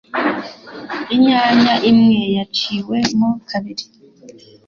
Inyanya imwe yaciwe mo kabiri